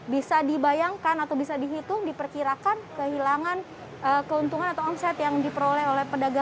bisa dibayangkan atau bisa diperhatikan bahwa mereka akan kehilangan omset sekitar lima belas juta rupiah artinya ketika melakukan lima hari mogok dan saat ini berlangsung sudah tiga hari